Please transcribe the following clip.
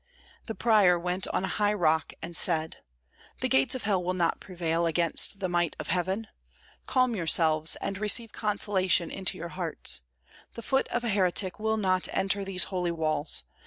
The prior went on a high rock and said, "The gates of hell will not prevail against the might of heaven. Calm yourselves, and receive consolation into your hearts. The foot of a heretic will not enter these holy walls.